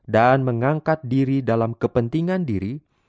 dan mengangkat diri dalam kepentingan diri